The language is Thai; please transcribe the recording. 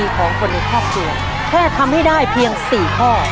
ของคนในครอบครัวแค่ทำให้ได้เพียง๔ข้อ